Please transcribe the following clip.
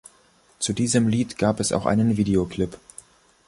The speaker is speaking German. Zu diesem Lied gab es auch einen Videoclip.